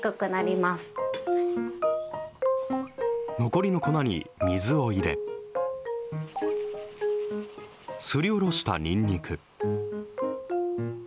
残りの粉に水を入れ、すりおろしたにんにく。